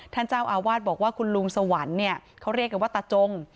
ท่านเจ้าอาวาสบอกว่าคุณลุงสวรรค์เนี่ยเขาเรียกกันว่าตาจง